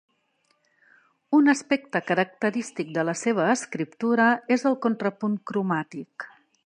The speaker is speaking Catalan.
Un aspecte característic de la seva escriptura és el contrapunt cromàtic.